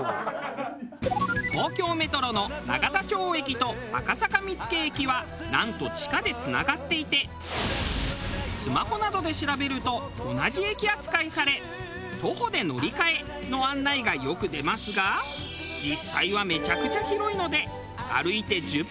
東京メトロの永田町駅と赤坂見附駅はなんと地下でつながっていてスマホなどで調べると同じ駅扱いされ「徒歩で乗り換え」の案内がよく出ますが実際はめちゃくちゃ広いので。